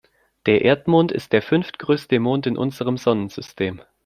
Der Erdmond ist der fünftgrößte Mond in unserem Sonnensystem.